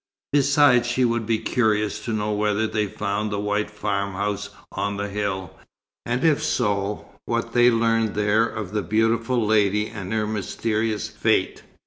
Besides she would be curious to know whether they found the white farmhouse on the hill, and if so, what they learned there of the beautiful lady and her mysterious fate.